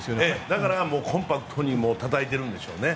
だからコンパクトにたたいてるんでしょうね。